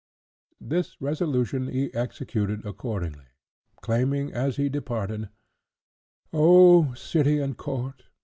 This resolution he executed accordingly, exclaiming as he departed—"Oh, city and court!